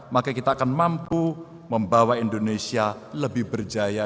maka kita akan mampu membawa indonesia lebih berjaya